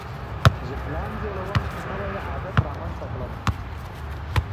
زه پلان جوړوم چې نوی عادت رامنځته کړم.